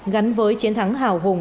gắn với chiến thắng hào hùng